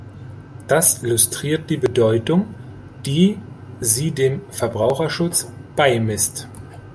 Das illustriert die Bedeutung, die sie dem Verbraucherschutz beimisst.